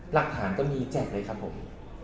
หลักฐานก็มีแจกเลยครับผม